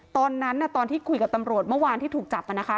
ตอนที่คุยกับตำรวจเมื่อวานที่ถูกจับนะคะ